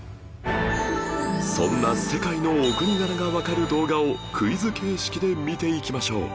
そんな世界のお国柄がわかる動画をクイズ形式で見ていきましょう